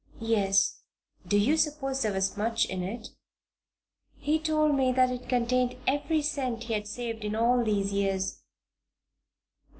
"Yes." "Do you suppose there was much in it?" "He told me that it contained every cent he had saved in all these years."